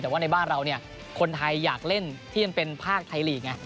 แต่ว่าในบ้านเราเนี่ยคนไทยอยากเล่นที่มันเป็นภาคไทยลีกไง